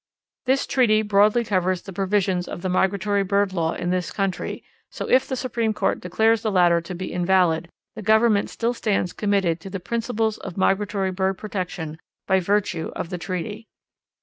This treaty broadly covers the provisions of the Migratory Bird Law in this country, so if the Supreme Court declares the latter to be invalid the Government still stands committed to the principals of migratory bird protection by virtue of the treaty.